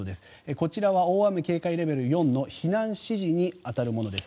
こちらは大雨警戒レベル４の避難指示に当たるものです。